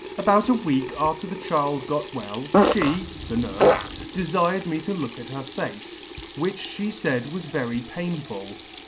About a week after the child got well, fhe (the nurfe) delired me to look at her face, which fhe faid was very painful.